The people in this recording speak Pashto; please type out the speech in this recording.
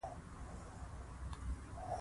پېړۍ او زمان پکې خوندي دي په پښتو ژبه.